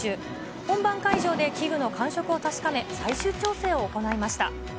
本番会場で器具の感触を確かめ、最終調整を行いました。